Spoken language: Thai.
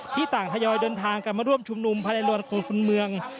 ที่ต่างทะยอยเดินทางกันมาร่วมชุมนุมภายละรวมคนเมือง